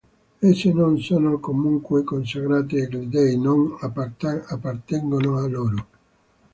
Esse non sono comunque consacrate agli Dèi, non appartengono a loro.